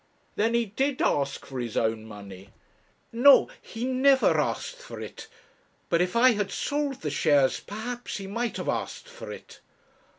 'Then he did ask for his own money?' 'No; he never asked for it. But if I had sold the shares perhaps he might have asked for it.'